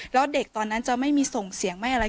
แล้วเด็กตอนนั้นจะไม่มีส่งเสียงไม่อะไร